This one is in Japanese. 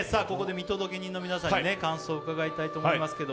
ここで見届け人の皆さんに感想を伺いたいと思います。